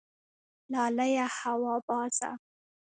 لالیه هوا بازه